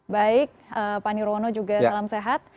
baik pak nirwono juga salam sehat